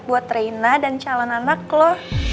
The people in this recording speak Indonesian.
buat reina dan calon anak loh